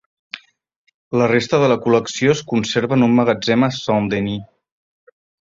La resta de la col·lecció es conserva en un magatzem a Saint-Denis.